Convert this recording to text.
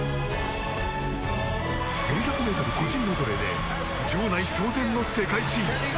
４００ｍ個人メドレーで場内騒然の世界新。